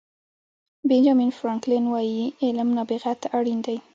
بینجامین فرانکلن وایي علم نابغه ته اړین دی.